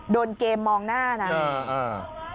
โดนเกมมองหน้านะ